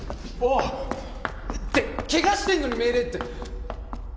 おう！ってケガしてんのに命令って。